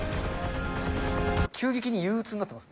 急激に憂うつになってます。